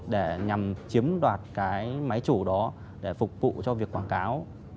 để nhằm chiếm đoạt cái máy chủ đó để phục vụ cho việc quảng cáo